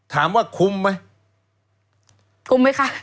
ถามว่าคุ้มไหมคุ้มไหมคะ